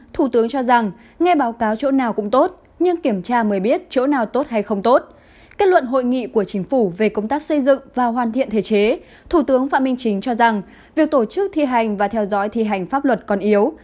thủ tướng phạm minh chính cho rằng việc tổ chức thi hành và theo dõi thi hành pháp luật còn yếu